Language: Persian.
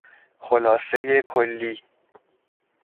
خلاصهی کلی